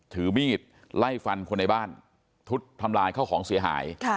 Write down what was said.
ถือมีดไล่ฟันคนในบ้านทุดทำลายเข้าของเสียหาย